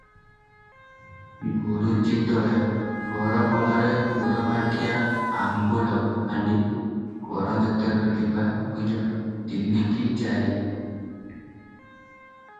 ଘୁଡୁଞ୍ଚି ତଳେ, ଘରକୋଣରେ ଗୁଡ଼ମାଠିଆ ଆମ୍ବୁଲ ହାଣ୍ତି, କରଞ୍ଜତେଲ ଡିବା ପୁଞ୍ଜା ତିନି କି ଚାରି ।